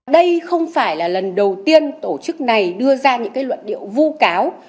đây không phải là lần đầu tiên tổ chức này đưa ra những luận điệu vu cáo